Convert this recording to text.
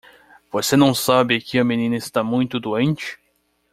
Você não sabe que a menina está muito doente?